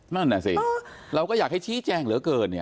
นั่นน่ะสิเราก็อยากให้ชี้แจงเหลือเกินเนี่ย